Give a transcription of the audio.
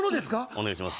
お願いします